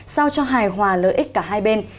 sao cho hài hòa lợi ích cả hai bên